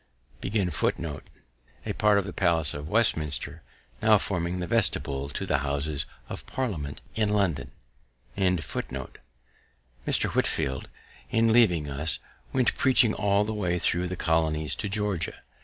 A part of the palace of Westminster, now forming the vestibule to the Houses of Parliament in London. Mr. Whitefield, in leaving us, went preaching all the way thro' the colonies to Georgia.